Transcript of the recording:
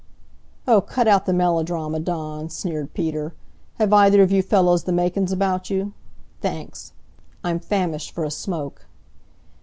"Oh, cut out the melodrama, Dawn," sneered Peter. "Have either of you fellows the makin's about you? Thanks. I'm famished for a smoke."